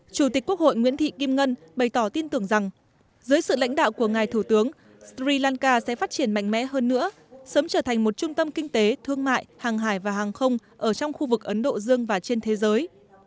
chủ tịch quốc hội nguyễn thị kim ngân bày tỏ tin tưởng rằng dưới sự lãnh đạo của ngài thủ tướng sri lanka sẽ phát triển mạnh mẽ hơn nữa sớm trở thành một trung tâm kinh tế thương mại hàng hải và hàng không ở trong khu vực ấn độ dương và trên thế giới